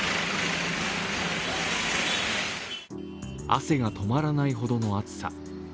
汗が止まらないほどの暑さ。